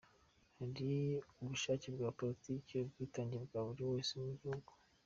Hari ubushake bwa politiki, ubwitange bwa buri wese mu gihugu.